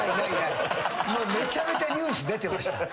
めちゃめちゃニュース出てました。